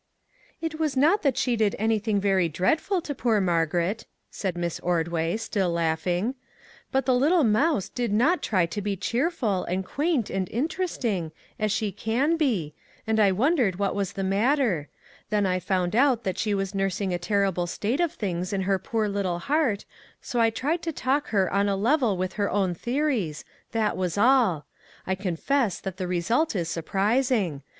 " It was not that she did anything very dread ful to poor Margaret," said Miss Ordway, still 279 MAG AND MARGARET laughing, " but the little mouse did not try to be cheerful, and quaint, and interesting, as she can be, and I wondered what was the matter; then I found that she was nursing a terrible state of things in her poor little heart, so I tried to talk to her on a level with her own theories, that was all. I confess that the result is surprising.